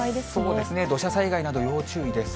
そうですね、土砂災害など要注意です。